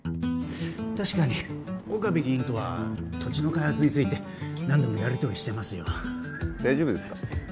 確かに岡部議員とは土地の開発について何度もやりとりしてますよ大丈夫ですか？